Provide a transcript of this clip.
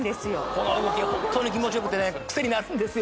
この動きがホントに気持ちよくてねクセになるんですよ